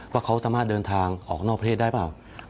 ว่าเขาสามารถเดินทางออกนอกประเทศได้เปล่า